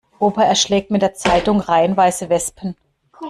Opa erschlägt mit der Zeitung reihenweise Wespen.